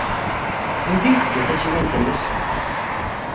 Anda ay teǧǧa tasiwant-nnes?